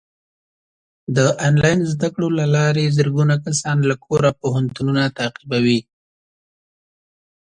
د آنلاین زده کړو له لارې زرګونه کسان له کوره پوهنتونونه تعقیبوي.